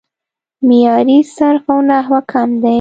معیاري صرف او نحو کم دی